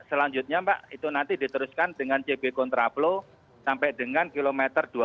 selanjutnya mbak itu nanti diteruskan dengan cb kontraplo sampai dengan km dua puluh delapan lima ratus